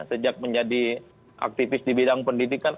sejak menjadi aktivis di bidang pendidikan